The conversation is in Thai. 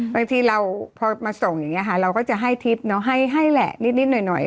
บางทีเราพอมาส่งอย่างนี้ค่ะเราก็จะให้ทริปให้แหละนิดหน่อย